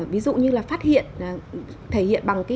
ví dụ như là phát hiện thể hiện bằng